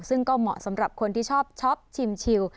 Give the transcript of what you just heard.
ซึ่งก็เหมาะสำหรับคนที่ชอบชอบชิมชิว